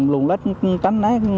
luồn lách chánh nát